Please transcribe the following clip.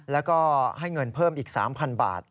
แล้วก็ให้เงินเพิ่มอีก๓๐๐บาท